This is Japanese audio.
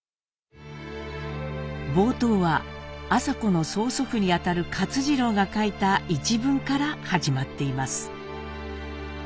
冒頭は麻子の曽祖父にあたる勝次郎が書いた一文から始まっています。